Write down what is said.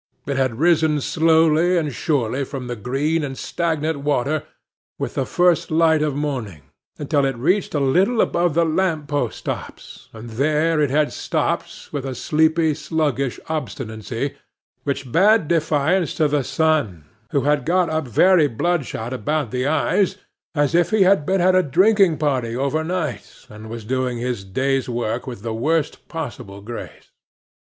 It had risen slowly and surely from the green and stagnant water with the first light of morning, until it reached a little above the lamp post tops; and there it had stopped, with a sleepy, sluggish obstinacy, which bade defiance to the sun, who had got up very blood shot about the eyes, as if he had been at a drinking party over night, and was doing his day's work with the worst possible grace.